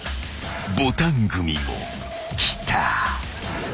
［ボタン組も来た］